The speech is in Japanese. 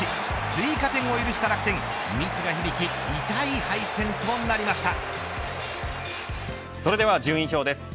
追加点を許した楽天ミスが響き痛い敗戦となりました。